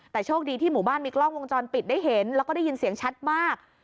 แต่โชคดีที่หมู่บ้านมีกล้องวงจรปิดได้เห็นแล้วก็ได้ยินเสียงชัดมาก